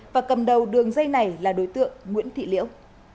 và cầm đầu đường dây này là đối tượng nguyễn thị liễu